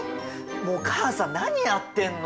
もう母さん何やってんの！